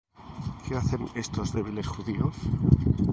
¿Qué hacen estos débiles Judíos?